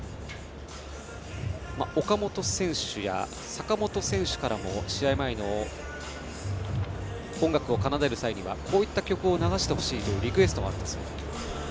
岡本選手や坂本選手からも試合前、音楽を奏でる際にはこういった曲を流してほしいというリクエストがあったそうです。